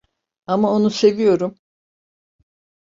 Ama onu seviyorum.